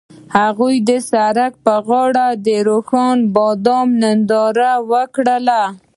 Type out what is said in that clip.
هغوی د سړک پر غاړه د روښانه بام ننداره وکړه.